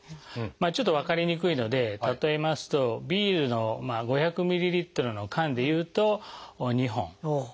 ちょっと分かりにくいので例えますとビールの５００ｍＬの缶でいうと２本。